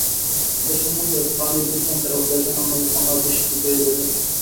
ওঁদের সম্বন্ধে প্রাণি-বৃত্তান্তের অধ্যায়টা নাহয় অনাবিষ্কৃতই রইল।